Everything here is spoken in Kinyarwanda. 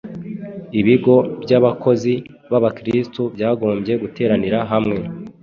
Ibigo by’abakozi b’Abakristo byagombye guteranira hamwe